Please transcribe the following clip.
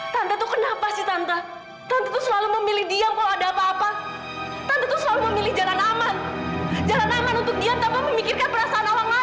tante tuh kenapa sih tante tante itu selalu memilih diam kalau ada apa apa tante tuh selalu memilih jalan aman jalan aman untuk diam tanpa memikirkan perasaan orang lain